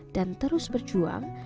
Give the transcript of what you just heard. dan terus berjuang